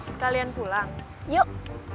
sekalian pulang yuk